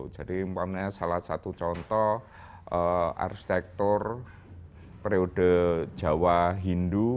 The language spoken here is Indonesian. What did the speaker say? jadi salah satu contoh arsitektur periode jawa hindu